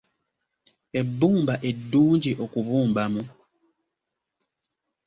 Ebbumba eddungi okubumbamu?